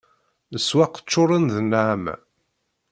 Leswaq ččuren d nneɛma